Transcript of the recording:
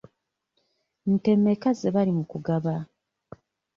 Nte mmeka ze bali mu kugaba?